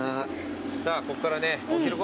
さあこっからね。